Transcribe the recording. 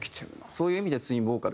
そういう意味ではツインボーカル